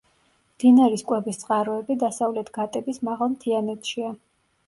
მდინარის კვების წყაროები დასავლეთ გატების მაღალ მთიანეთშია.